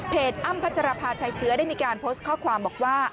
อ้ำพัชรภาชัยเชื้อได้มีการโพสต์ข้อความบอกว่า